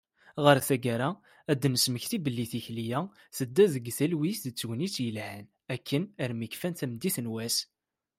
Ɣer taggara, ad d-nesmekti belli tikli-a, tedda deg talwit d tegnit yelhan, akken armi kfan tameddit n wass.